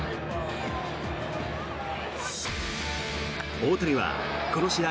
大谷はこの試合